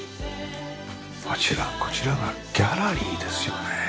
あちらこちらがギャラリーですよね。